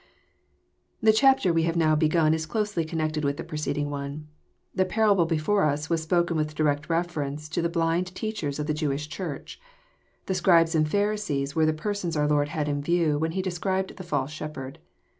1 The chapter we have now begun is closely connected with the preceding one. The parable before us was spoken with direct reference to the blind teachers of the Jewish Church. The Scribes and Pharisees were the persons our Lord had in view, when He described the false shepherd.